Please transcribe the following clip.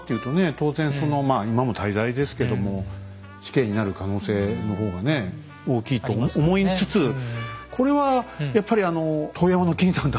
当然まあ今も大罪ですけども死刑になる可能性の方がね大きいと思いつつこれはやっぱりあの遠山の金さんだからですかね？